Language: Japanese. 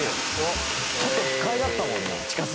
「ちょっと不快だったもんな近すぎて」